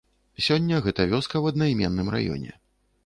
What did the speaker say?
Сёння гэта вёска ў аднайменным раёне.